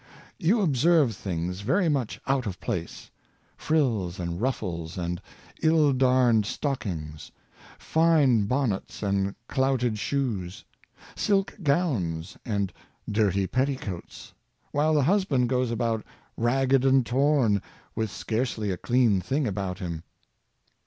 You observe things very much out of place — frills and ruffles and ill darned stockings, fine bonnets and clouted shoes, silk gowns and dirty petticoats, while the husband goes about ragged and torn, with scarcely a clean thing about him.